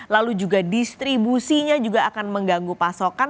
lalu juga distribusinya juga akan mengganggu pasokan